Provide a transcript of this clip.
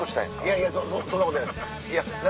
いやそんなことない。